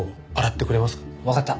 わかった。